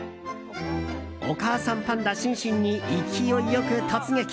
お母さんパンダシンシンに勢いよく突撃！